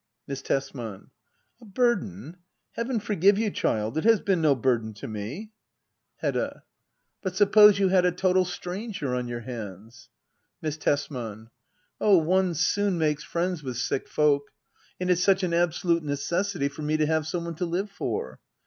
Miss Tesman. A burden ! Heaven forgive you, child — it has been no burden to me. Digitized by Google act iv.] hedda oabler. 157 Hedda. But suppose you had a total stranger on your hands Miss Tesman. Oh^ one soon makes friends with sick folk ; and it's such am absolute necessity for me to have some one to live for.